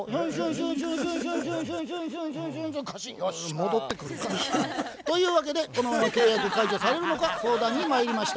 戻ってくるか！というわけでこのまま契約解除されるのか相談にまいりました。